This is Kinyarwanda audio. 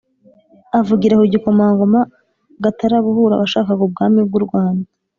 avugira ku gikomangoma gatarabuhura washakaga ubwami bw'u rwanda,